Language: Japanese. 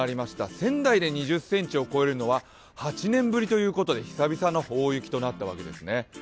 仙台で２０ｃｍを越えるのは８年ぶりということで久々の大雪となったわけですね。